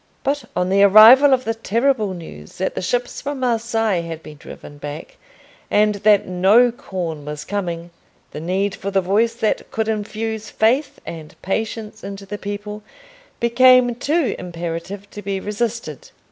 But on the arrival of the terrible news that the ships from Marseilles had been driven back, and that no corn was coming, the need for the voice that could infuse faith and patience into the people became too imperative to be resisted.